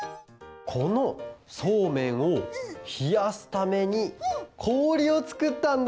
このそうめんをひやすためにこおりをつくったんだ！